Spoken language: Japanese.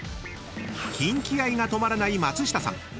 ［キンキ愛が止まらない松下さん